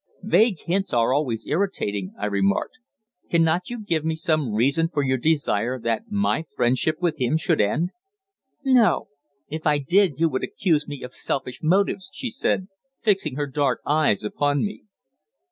"Vague hints are always irritating," I remarked. "Cannot you give me some reason for your desire that my friendship with him should end?" "No. If I did, you would accuse me of selfish motives," she said, fixing her dark eyes upon me.